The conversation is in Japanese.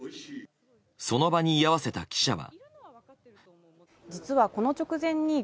その場に居合わせた記者は。